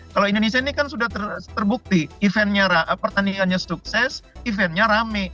kalau indonesia ini kan sudah terbukti eventnya pertandingannya sukses eventnya rame